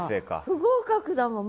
不合格だもん。